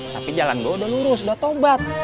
tapi jalan gua udah lurus dah tobat